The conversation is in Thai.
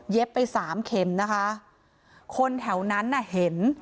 ไปสามเข็มนะคะคนแถวนั้นน่ะเห็น